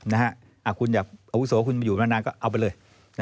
นะครับอาวุโสคุณอยู่แล้วนานก็เอาไปเลย